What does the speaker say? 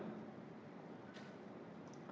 dan mulai diberikan bulan september selama empat bulan